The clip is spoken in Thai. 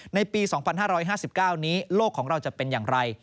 ในปี๒๕๕๙นี้โลกของเราจะเป็นอย่างไร